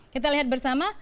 kita lihat bersama